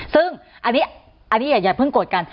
ซึ่งอันนี้อย่าเรียกกดกัน